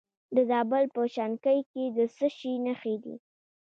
د زابل په شنکۍ کې د څه شي نښې دي؟